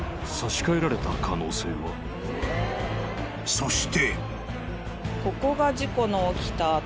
［そして］